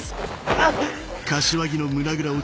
あっ！